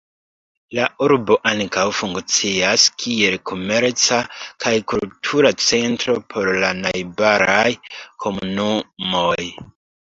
La urbo ankaŭ funkcias kiel komerca kaj kultura centro por la najbaraj komunumoj.